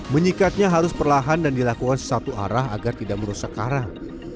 menyikatnya harus perlahan dan dilakukan satu arah agar tidak merusak karang